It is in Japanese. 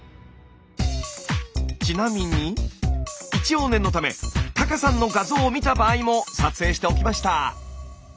ちなみに一応念のためタカさんの画像を見た場合も撮影しておきました。